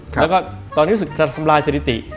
และก็ตอนนี้ก็สิ่งที่จะทำลายสถิติ